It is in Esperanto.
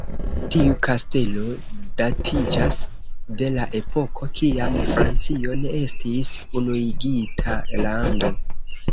Tiu kastelo datiĝas de la epoko kiam Francio ne estis unuigita lando.